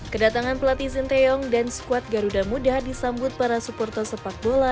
kedatangan pelatih sinteyong dan skuad garuda muda disambut para supporter sepak bola